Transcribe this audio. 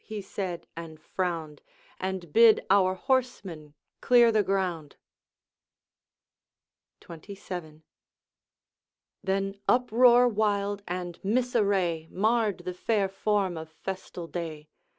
he said and frowned, 'And bid our horsemen clear the ground.' XXVII. Then uproar wild and misarray Marred the fair form of festal day.